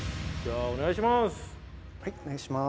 はいお願いします。